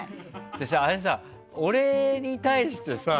あれさ、俺に対してさ